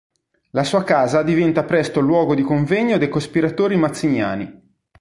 La sua casa diventa presto luogo di convegno dei cospiratori mazziniani.